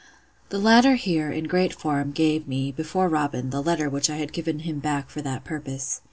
The latter here, in great form, gave me, before Robin, the letter which I had given him back for that purpose.